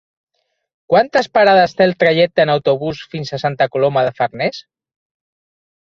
Quantes parades té el trajecte en autobús fins a Santa Coloma de Farners?